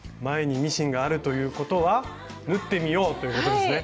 前にミシンがあるということは縫ってみようということですね。